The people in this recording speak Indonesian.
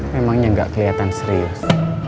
memangnya gak keliatan serius